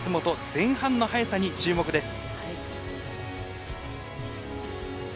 前半の速さに注目です。